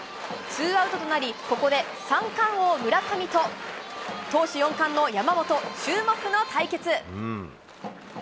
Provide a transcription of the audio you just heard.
ツーアウトとなり、ここで三冠王、村上と、投手４冠の山本、注目の対決。